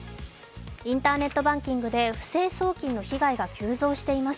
インターネットバンキングで不正送金の被害が急増しています。